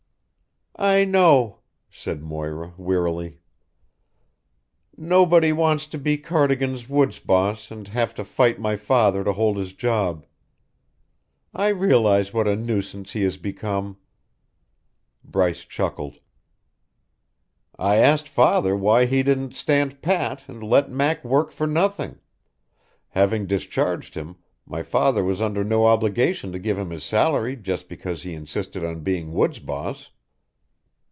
"I know," said Moira wearily. "Nobody wants to be Cardigan's woods boss and have to fight my father to hold his job. I realize what a nuisance he has become." Bryce chuckled. "I asked Father why he didn't stand pat and let Mac work for nothing; having discharged him, my father was under no obligation to give him his salary just because he insisted on being woods boss.